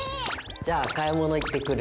じゃあ買い物行ってくる。